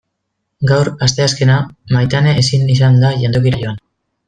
Gaur, asteazkena, Maitane ezin izan da jantokira joan.